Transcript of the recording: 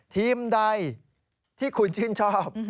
ทีมใดที่คุณชื่นชอบ